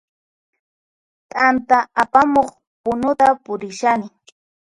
T'anta apamuq punuta purishani